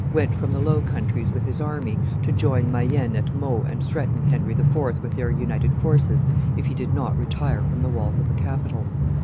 went from the Low Countries, with his army, to join Mayenne at Meaux and threaten Henry IV. with their united forces if he did not retire from the walls of the capital.